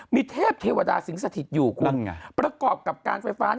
มีเทพเทวดาสิงสถิตอยู่คุณประกอบกับการไฟฟ้า